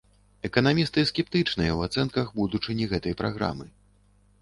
Эканамісты скептычныя ў ацэнках будучыні гэтай праграмы.